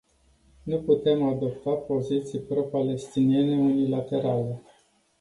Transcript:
Nu putem adopta poziții pro-palestiniene unilaterale.